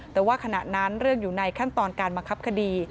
แต่ว่าขณะนั้นเรื่องอยู่ในขั้นตอนการบังคับคดี